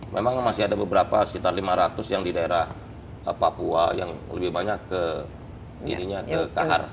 memang masih ada beberapa sekitar lima ratus yang di daerah papua yang lebih banyak ke kahar